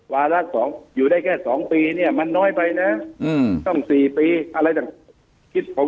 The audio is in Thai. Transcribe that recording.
วารักษ์อยู่ได้แค่๒ปีเนี่ยมันน้อยไปนะต้อง๔ปีอะไรจัง